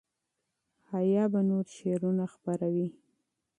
حیا به نور شعرونه خپروي.